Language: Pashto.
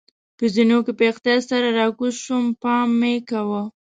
په زینو کې په احتیاط سره راکوز شوم، پام مې کاوه.